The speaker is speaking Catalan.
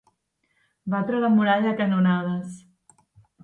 Batre la muralla a canonades.